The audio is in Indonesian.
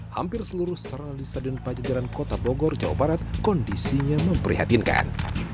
hampir seluruh sarana di stadion pajajaran kota bogor jawa barat kondisinya memprihatinkan